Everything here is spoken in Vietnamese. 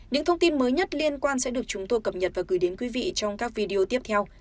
những thông tin mới nhất liên quan sẽ được chúng tôi cập nhật và gửi đến quý vị trong các video tiếp theo